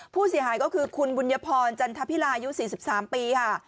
ผู้เสียหายก็คือคุณบุญพรจันทพิลายุ๔๓ปีค่ะ